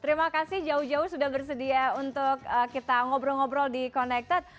terima kasih jauh jauh sudah bersedia untuk kita ngobrol ngobrol di connected